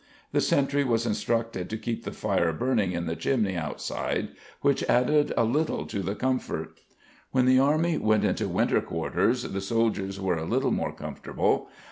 The sentry was instructed to keep the fire burning in the chimney outside which added a little to the comfort. When the army went into winter quarters the soldiers were a little more comfortable.